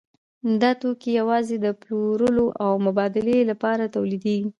دا توکي یوازې د پلورلو او مبادلې لپاره تولیدېږي